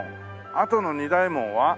あとの二大門は？